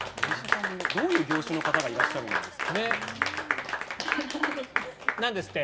どういう業種の方がいらっしゃるんですか？